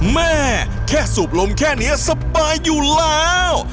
แม่แค่สูบลมแค่นี้สบายอยู่แล้ว